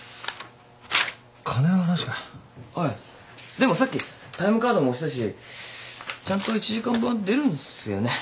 でもさっきタイムカードも押したしちゃんと１時間分は出るんすよね。